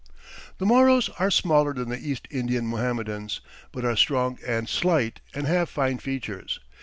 The Moros are smaller than the East Indian Mohammedans, but are strong and slight, and have fine features.